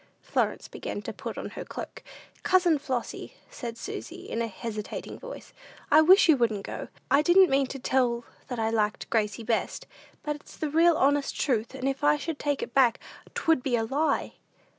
Florence began to put on her cloak. "Cousin Flossy," said Susy, in a hesitating voice, "I wish you wouldn't go. I didn't mean to tell that I liked Gracie best; but it's the real honest truth, and if I should take it back, 'twould be a lie."